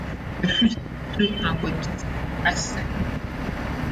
The fruit is a three-angled achene.